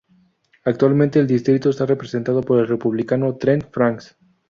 Actualmente el distrito está representado por el Republicano Trent Franks.